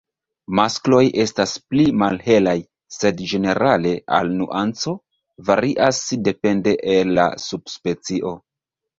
Maskloj estas pli malhelaj, sed ĝenerale al nuanco varias depende el la subspecio.